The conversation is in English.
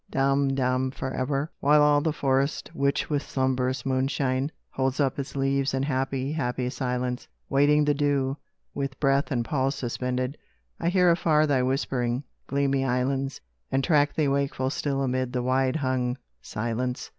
dumb, dumb forever! While all the forest, witched with slumberous moonshine, Holds up its leaves in happy, happy silence, Waiting the dew, with breath and pulse suspended, I hear afar thy whispering, gleamy islands, And track thee wakeful still amid the wide hung silence.